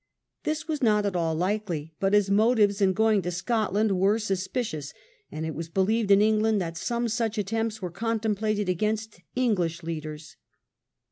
This was not at all likely, but his motives in going to Scotland were suspicious, and it was believed in Eng land that some such attempts were contemplated against English leaders.